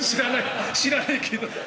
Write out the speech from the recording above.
知らないけど。